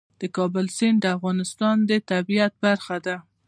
د کابل سیند د افغانستان د طبیعت برخه ده.